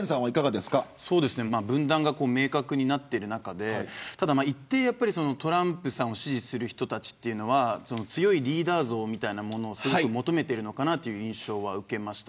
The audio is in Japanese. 分断が明確になっている中で一定数トランプさんを支持する人たちは強いリーダー像を求めているのかなという印象は受けました。